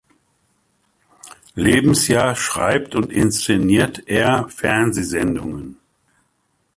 Lebensjahr schreibt und inszeniert er Fernsehsendungen.